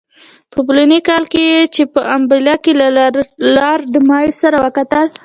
په فلاني کال کې یې په امباله کې له لارډ مایو سره وکتل.